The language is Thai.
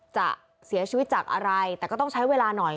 จะเสียชีวิตจากอะไรแต่ก็ต้องใช้เวลาหน่อย